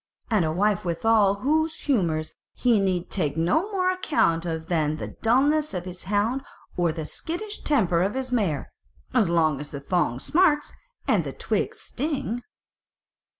and a wife withal of whose humours he need take no more account of than the dullness of his hound or the skittish temper of his mare, so long as the thong smarts, and the twigs sting."